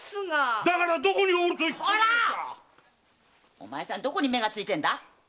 コラッ！お前さんどこに目が付いてんだ？